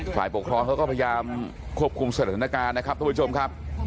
ฝ่ายปกครองเขาก็พยายามควบคุมสถานการณ์นะครับทุกผู้ชมครับ